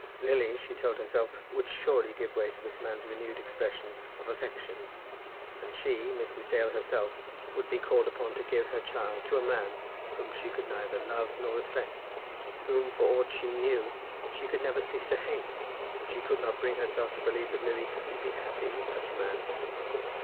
Lily, she told herself, would surely give way to this man's renewed expressions of affection, and she, Mrs. Dale herself, would be called upon to give her child to a man whom she could neither love nor respect; whom, for aught she knew, she could never cease to hate. And she could not bring herself to believe that Lily would be happy with such a man.